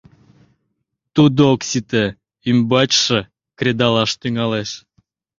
Тудо ок сите, ӱмбачше кредалаш тӱҥалеш.